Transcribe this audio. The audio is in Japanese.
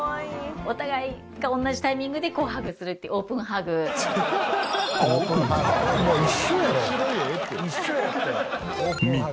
お互いが同じタイミングでハグするっていう一緒やってオープンハグ。